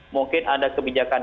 mungkin ada kebijakan